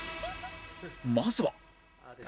まずは